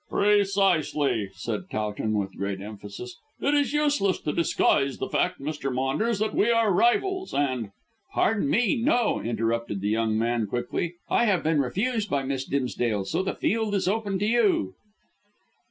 "Precisely," said Towton with great emphasis. "It is useless to disguise the fact, Mr. Maunders, that we are rivals, and " "Pardon me, no," interrupted the young man quickly. "I have been refused by Miss Dimsdale, so the field is open to you."